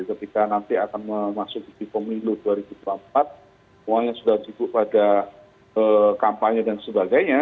ketika nanti akan memasuki pemilu dua ribu dua puluh empat semuanya sudah duduk pada kampanye dan sebagainya